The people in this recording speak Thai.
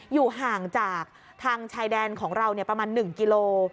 อยู่ห่างจากทางชายแดนของเราประมาณ๑กิโล